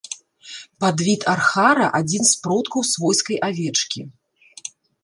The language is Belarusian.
Падвід архара, адзін з продкаў свойскай авечкі.